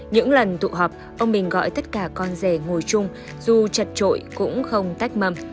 những lần tụ họp ông bình gọi tất cả con rể ngồi chung dù chật trội cũng không tách mầm